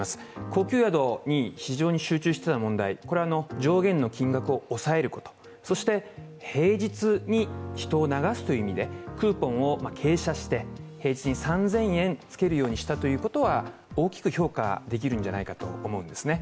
高級宿に非常に集中していた問題、これは上限の金額を抑えること、そして、平日に人を流すという意味で、クーポンを平日に３０００円つけるようにしたということは、大きく評価できるんじゃないかと思うんですね。